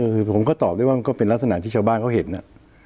คือผมก็ตอบได้ว่ามันก็เป็นลักษณะที่ชาวบ้านเขาเห็นน่ะ